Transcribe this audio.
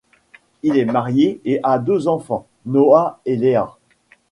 Il est marié et a deux enfants, Noah et Léa.